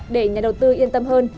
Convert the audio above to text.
để nhà đầu tư yên tâm hơn